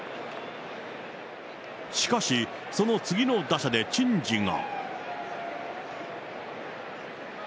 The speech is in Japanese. しかし、その次の打者で珍事が。